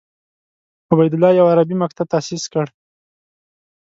عبیدالله یو عربي مکتب تاسیس کړ.